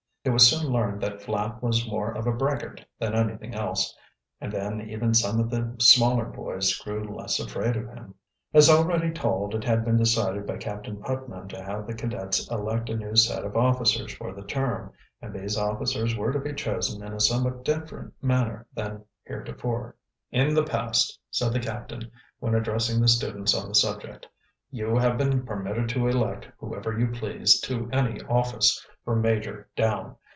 It was soon learned that Flapp was more of a braggart than anything else, and then even some of the smaller boys grew less afraid of him. As already told, it had been decided by Captain Putnam to have the cadets elect a new set of officers for the term, and these officers were to be chosen in a somewhat different manner than heretofore. "In the past," said the captain, when addressing the students on the subject, "you have been permitted to elect whoever you pleased to any office, from major down.